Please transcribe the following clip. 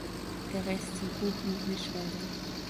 Der Rest sind Buchen- und Mischwälder.